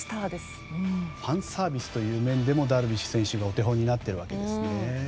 ファンサービスという面でも、ダルビッシュ選手がお手本になっているわけですね。